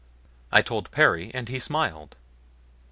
I told Perry, and he smiled.